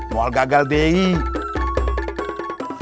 buat gagal dia